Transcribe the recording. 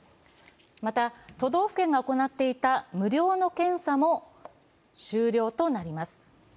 また、都道府県が行っていた無料の検査も終了となります。